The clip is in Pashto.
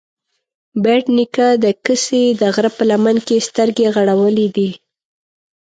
بېټ نيکه د کسې د غره په لمن کې سترګې غړولې دي